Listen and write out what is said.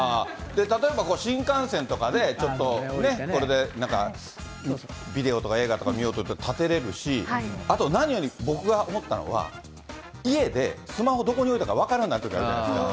例えば新幹線とかで、ちょっとね、これでビデオとか映画とか見ようと思ったら、立てれるし、あと、何より僕が思ったのは、家でスマホ、どこに置いたか分からないときあるじゃないですか。